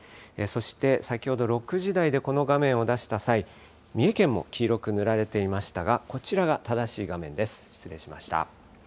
そして、先ほど６時台でこの画面を出した際、三重県も黄色く塗られていましたが、こちらが正しい画面です、失礼しました。